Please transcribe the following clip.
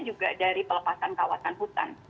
juga dari pelepasan kawasan hutan